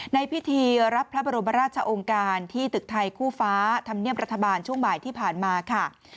ในพิธีรับพระบรมราชองค์การที่ตึกไทยคู่ฟ้าธรรมเนียมรัฐบาลช่วงบ่ายที่ผ่านมาค่ะ